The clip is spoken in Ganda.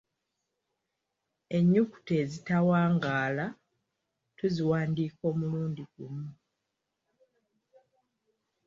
Ennyukuta ezitawangaala, tuziwandiika omulundi gumu.